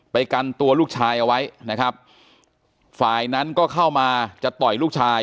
กันตัวลูกชายเอาไว้นะครับฝ่ายนั้นก็เข้ามาจะต่อยลูกชาย